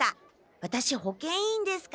ワタシ保健委員ですから。